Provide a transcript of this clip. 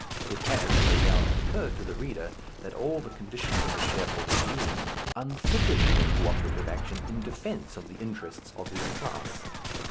It has, no doubt, occurred to the reader that all the conditions of the shareholder's being unfit him for co operative action in defence of the interests of his class.